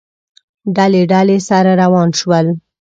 ډلې، ډلې، سره وران شول